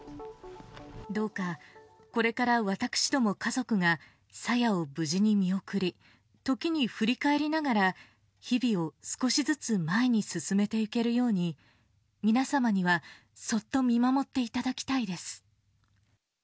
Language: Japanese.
どうか、これから私ども家族がさやを無事に見送り、時に振り返りながら、日々を少しずつ前に進めてゆけるように皆様にはそっと見守っていただきたいです。